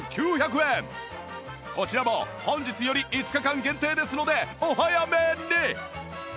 こちらも本日より５日間限定ですのでお早めに！